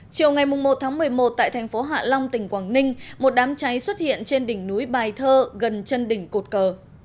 chiều ngày một tháng một mươi một tại thành phố hạ long tỉnh quảng ninh một đám cháy xuất hiện trên đỉnh núi bài thơ gần chân đỉnh cột cờ